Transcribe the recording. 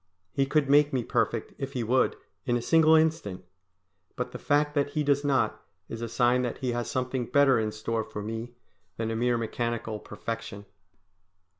He could make me perfect if He would, in a single instant. But the fact that He does not, is a sign that He has something better in store for me than a mere mechanical perfection.